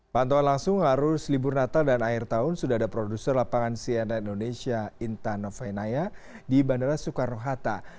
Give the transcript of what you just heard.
pantauan langsung arus libur natal dan akhir tahun sudah ada produser lapangan cnn indonesia intan novenaya di bandara soekarno hatta